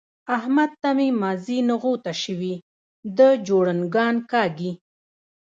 احمد ته چې مازي نغوته شوي؛ دی جوړنګان کاږي.